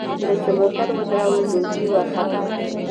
ده چې موټر ودراوه ډولچي ورخطا شو.